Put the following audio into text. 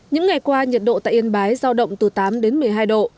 những ngày qua nhiệt độ tại yên bái giao động từ tám đến một mươi hai độ